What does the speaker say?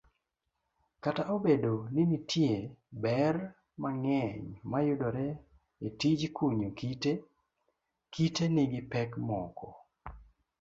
Kata obedo ninitie ber mang'eny mayudore etijkunyo kite, kite nigi pek moko.